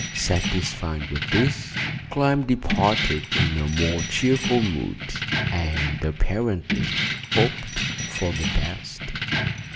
Satisfied with this, Clyne departed in a more cheerful mood, and, apparently, hoped for the best.